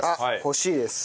欲しいです。